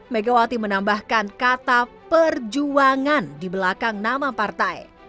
megawati menambahkan kata perjuangan di belakang nama partai